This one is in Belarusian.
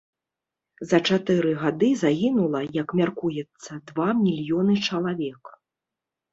За чатыры гады загінула, як мяркуецца, два мільёны чалавек.